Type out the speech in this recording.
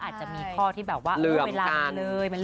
ก็อาจจะมีข้อที่แบบว่าเลือกเวลามันเลยแล้ว